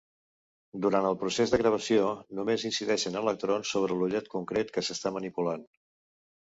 Durant el procés de gravació només incideixen electrons sobre l'ullet concret que s'està manipulant.